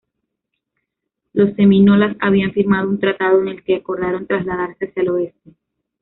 Los seminolas habían firmado un tratado en el que acordaron trasladarse hacia el oeste.